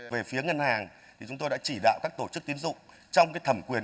về phía ngân hàng thì chúng tôi đã chỉ đạo các tổ chức tiến dụng trong cái thẩm quyền